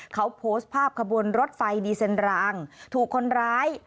เขาโพสต์ภาพขบวนรถไฟดีเซนรางถูกคนร้าย